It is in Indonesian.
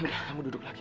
udah kamu duduk lagi